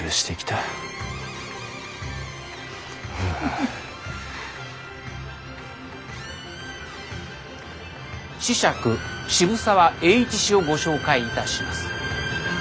子爵渋沢栄一氏をご紹介いたします。